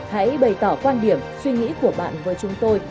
hãy bày tỏ quan điểm suy nghĩ của bạn với chúng tôi